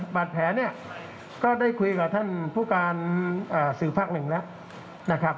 บาดแผลเนี่ยก็ได้คุยกับท่านผู้การสื่อภาคหนึ่งแล้วนะครับ